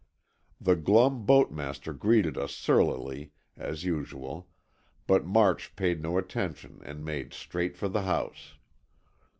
The glum boatmaster greeted us surlily, as usual, but March paid no attention and made straight for the house.